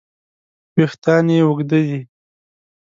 وېښتیان یې اوږده دي.